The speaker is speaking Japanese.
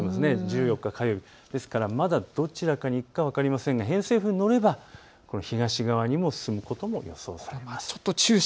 ですから、まだどちらに行くか分かりませんが偏西風に乗れば東側にも進むことも予想されます。